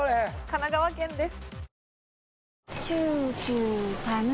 神奈川県です。